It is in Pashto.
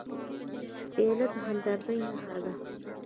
پیاله د همدردۍ نښه ده.